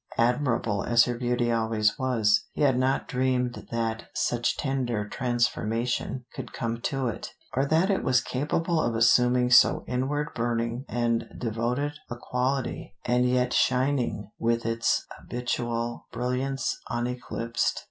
Admirable as her beauty always was, he had not dreamed that such tender transformation could come to it, or that it was capable of assuming so inward burning and devoted a quality and yet shining with its habitual brilliance uneclipsed.